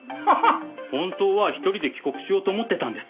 本当は一人で帰国しようと思ってたんです。